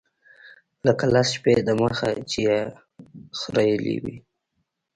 لکه لس شپې د مخه چې يې خرييلي وي.